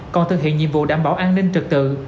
còn thực hiện nhiệm vụ đảm bảo an ninh trực tự